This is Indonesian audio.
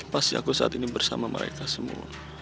pasti aku saat ini bersama mereka semua